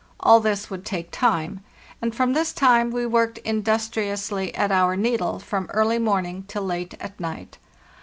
All this would take time; and from this time we worked industriously at our needle from early morning till late at night.